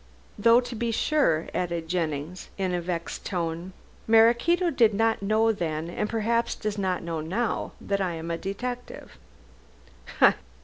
Though to be sure," added Jennings in a vexed tone, "Maraquito did not know then, and perhaps does not know now, that I am a detective."